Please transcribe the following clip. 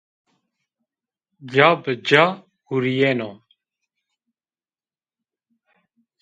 Ca bi ca vurîyeno